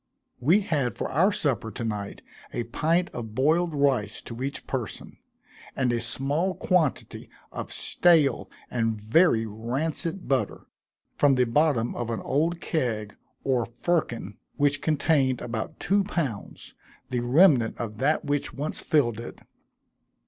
We had for our supper to night, a pint of boiled rice to each person, and a small quantity of stale and very rancid butter, from the bottom of an old keg, or firkin, which contained about two pounds, the remnant of that which once filled it.